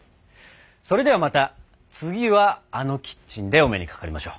それではまた次はあのキッチンでお目にかかりましょう。